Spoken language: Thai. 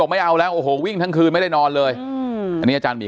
ไม่เอาแล้วโอ้โหวิ่งทั้งคืนไม่ได้นอนเลยอืมอันนี้อาจารย์หมี